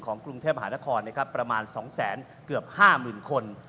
ของกรุงเทพฯหานครประมาณ๒๕๐๐๐๐คน